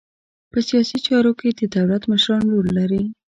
په سیاسي چارو کې د دولت مشران رول لري